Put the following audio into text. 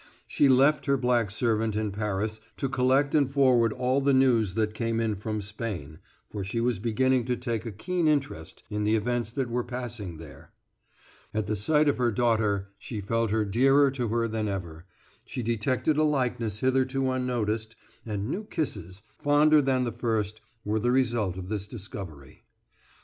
She left her black servant in Paris to collect and forward all the news that came in from Spain, for she was beginning to take a keen interest in the events that were passing there. At the sight of her daughter she felt her dearer to her than ever; she detected a likeness hitherto unnoticed, and new kisses, fonder than the first, were the result of this discovery.